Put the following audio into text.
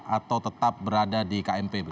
atau tetap berada di kmpb